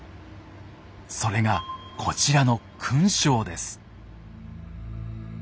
それがこちらの勲章です。